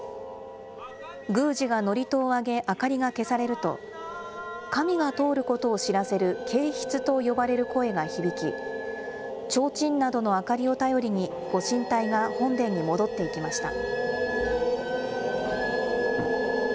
宮司が祝詞をあげ、明かりが消されると、神が通ることを知らせる警蹕と呼ばれる声が響き、ちょうちんなどの明かりを頼りに、ご神体が本殿に戻っていきました。